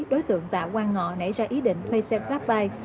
đối tượng tạ quang ngọ nảy ra ý định thuê xe grabbyte